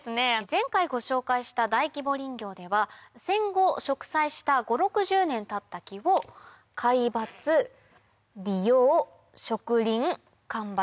前回ご紹介した大規模林業では戦後植栽した５０６０年たった木を皆伐利用植林間伐。